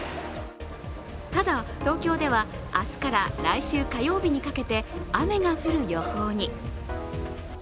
ただ、東京では明日から来週火曜日にかけて雨が降る予報に。